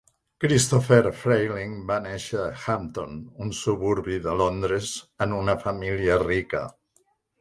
Christopher Frayling va néixer a Hampton, un suburbi de Londres, en una família rica.